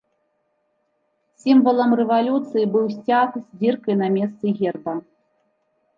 Сімвалам рэвалюцыі быў сцяг з дзіркай на месцы герба.